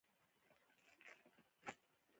خو اوس د هر راز کتاب پرېماني لیدل کېدله.